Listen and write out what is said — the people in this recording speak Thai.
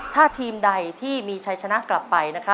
ถ้าทีมใดที่มีชัยชนะกลับไป